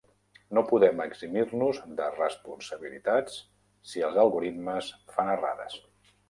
No podem eximir-nos de responsabilitats si els algoritmes fan errades.